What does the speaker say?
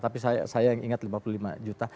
tapi saya yang ingat lima puluh lima juta